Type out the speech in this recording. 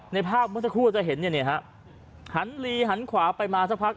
ในภาพเมื่อสักครู่จะเห็นเนี่ยฮะหันลีหันขวาไปมาสักพัก